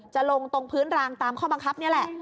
ลงตรงพื้นรางตามข้อบังคับนี่แหละ